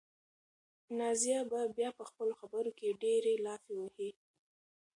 نازیه به بیا په خپلو خبرو کې ډېرې لافې وهي.